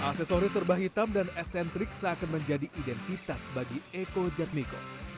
aksesoris serba hitam dan essentrik seakan menjadi identitas bagi eko jatmiko